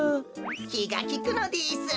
きがきくのです。